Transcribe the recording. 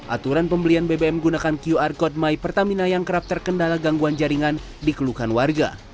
aturan pembelian bbm gunakan qr code my pertamina yang kerap terkendala gangguan jaringan dikeluhkan warga